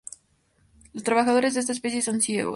Los trabajadores de esta especie son ciegos.